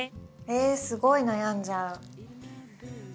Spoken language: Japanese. えすごい悩んじゃう。